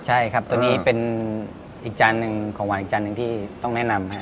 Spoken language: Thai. ใช่ครับตัวนี้เป็นอีกจานหนึ่งของหวานอีกจานหนึ่งที่ต้องแนะนำครับ